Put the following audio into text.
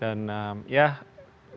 dan semuanya mempunyai jawaban positif